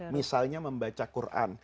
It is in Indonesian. misalnya membaca quran